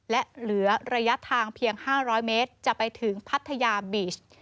และเหลือระยะทางเพียง๕๐๐เมตรจะไปถึงพัทยาบีช